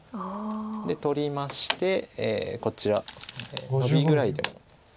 取りましてこちらノビぐらいでも。